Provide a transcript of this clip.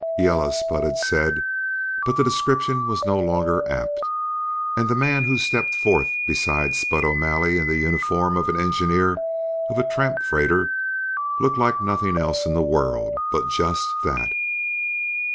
"Yellah," Spud had said, but the description was no longer apt. And the man who stepped forth beside Spud O'Malley in the uniform of an engineer of a tramp freighter looked like nothing else in the world but just that.